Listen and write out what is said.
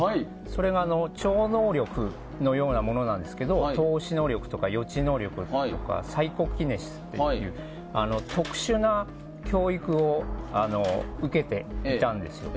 それが超能力のようなものなんですけど透視能力とか予知能力とかサイコキネシスという特殊な教育を受けていたんですよ。